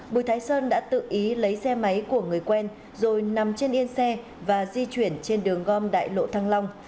bùi thái sơn đã tự ý lấy xe máy của người quen rồi nằm trên yên xe và di chuyển trên đường gom đại lộ thăng long